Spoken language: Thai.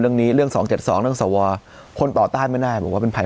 เรื่องนี้เรื่อง๒๗๒เรื่องสวคนต่อต้านไม่ได้บอกว่าเป็นภัย